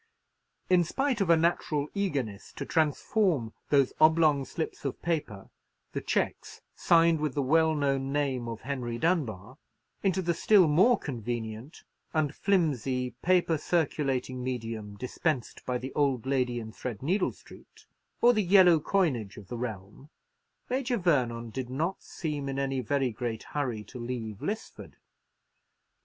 In spite of a natural eagerness to transform those oblong slips of paper—the cheques signed with the well known name of Henry Dunbar—into the still more convenient and flimsy paper circulating medium dispensed by the Old Lady in Threadneedle Street, or the yellow coinage of the realm, Major Vernon did not seem in any very great hurry to leave Lisford.